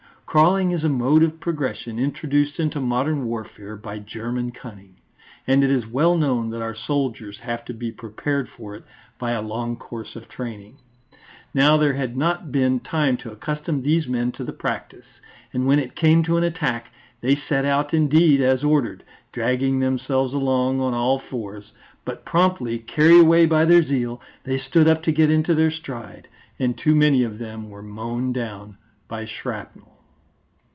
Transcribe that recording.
Crawling is a mode of progression introduced into modern warfare by German cunning, and it is well known that our soldiers have to be prepared for it by a long course of training. Now there had not been time to accustom these men to the practice, and when it came to an attack they set out indeed as ordered, dragging themselves along on all fours, but, promptly carried away by their zeal, they stood up to get into their stride, and too many of them were mown down by shrapnel.